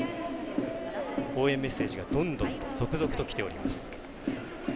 応援メッセージが続々ときております。